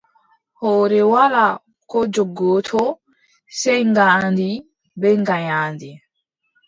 Hoore walaa ko jogotoo, sey ngaandi bee nganyaandi.